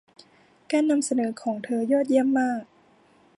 การนำเสนอของเธอยอดเยี่ยมมาก